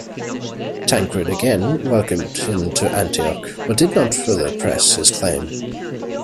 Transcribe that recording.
Tancred again welcomed him to Antioch but did not further press his claim.